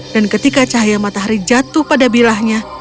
dan ketika cahaya matahari jatuh pada bilahnya